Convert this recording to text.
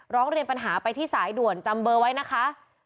ร้องเรียนปัญหาไปที่สายด่วนจำเบอร์ไว้นะคะ